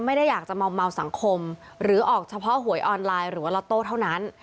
ไม่ได้อยากจะเมาสังคมหรือออกเฉพาะหวยออนไลน์หรือว่าล็อตโต้เท่านั้น